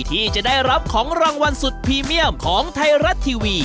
ที่จะได้รับของรางวัลสุดพรีเมียมของไทยรัฐทีวี